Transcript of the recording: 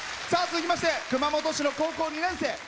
さあ続きまして熊本市の高校２年生。